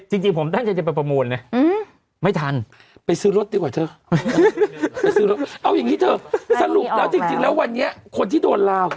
จริงจริงผมต้านเจอไปประมูลเนี้ยอืมไม่ทัน